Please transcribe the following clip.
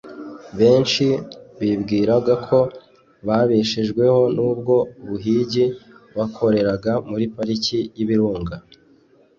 Benshi mu bibwiragako babeshejweho n’ubwo buhigi bakoreraga muri Pariki y’Ibirunga